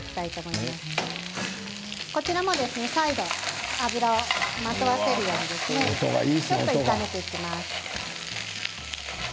こちらも再度油をまとわせるように炒めていきます。